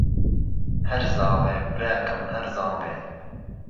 ههرزاڵێ، براکهم ههرزاڵێ